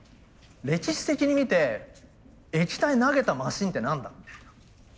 歴史的に見て液体投げたマシンって何だみたいな。